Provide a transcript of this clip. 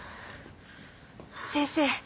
先生